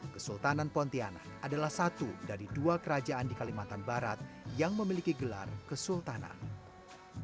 kesultanan pontianak adalah satu dari dua kerajaan di kalimantan barat yang memiliki gelar kesultanan